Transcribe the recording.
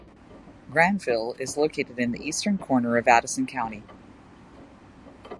Granville is located in the eastern corner of Addison County.